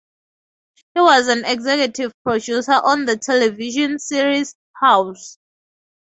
He was an executive producer on the television series "House".